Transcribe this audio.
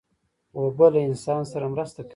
اوبه له انسان سره مرسته کوي.